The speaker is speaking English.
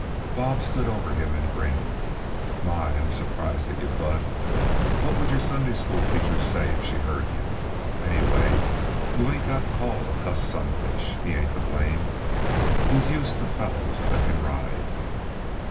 Bob stood over him and grinned. "My, I'm surprised at yuh, Bud! What would your Sunday school teacher say if she heard yuh? Anyway, yuh ain't got any call to cuss Sunfish; he ain't to blame. He's used to fellows that can ride."